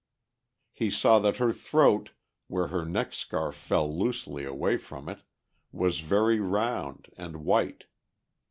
He saw that her throat, where her neck scarf fell loosely away from it, was very round and white.